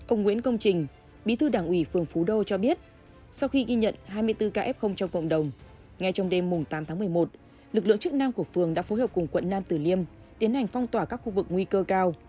ông nguyễn công trình bí thư đảng ủy phường phú đô cho biết sau khi ghi nhận hai mươi bốn k trong cộng đồng ngay trong đêm tám tháng một mươi một lực lượng chức năng của phường đã phối hợp cùng quận nam tử liêm tiến hành phong tỏa các khu vực nguy cơ cao